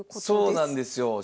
そうなんですよ。